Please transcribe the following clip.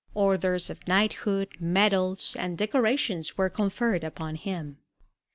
Orders of knighthood, medals, and decorations were conferred upon him.